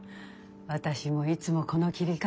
私もいつもこの切り方。